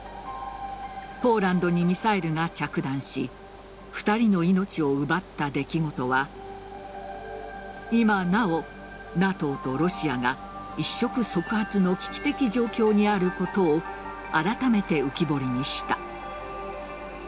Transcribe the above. ポーランドにミサイルが着弾し２人の命を奪った出来事は今なお、ＮＡＴＯとロシアが一触即発の危機的状況にあることをあらためて浮き彫りにした。